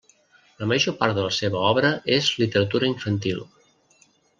La major part de la seva obra és literatura infantil.